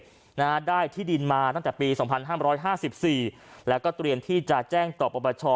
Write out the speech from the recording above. นานาได้ที่ดินมาตั้งแต่ปี๒๕๕๔แล้วก็เตรียมที่จะแจ้งต่อประบาชช